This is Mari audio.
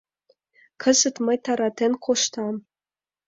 — Кызыт мый таратен коштам.